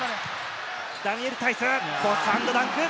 ダニエル・タイス、ここはダンク。